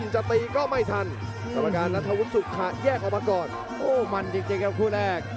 จะตีก็ไม่ทันประกาศรัทธวุศุอะแยกออกมาก่อนโอ้มั่นจริงจริงมันคู่แรก